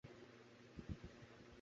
আমি চাই তুমি আমাকে কথা দাও।